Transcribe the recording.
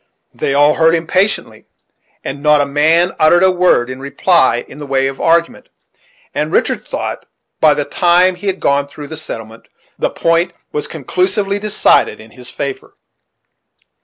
They all heard him patiently, and not a man uttered a word in reply in the way of argument, and Richard thought, by the time that he had gone through the settlement, the point was conclusively decided in his favor.